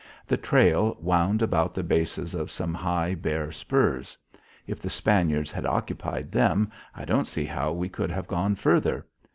The trail wound about the bases of some high bare spurs. If the Spaniards had occupied them I don't see how we could have gone further.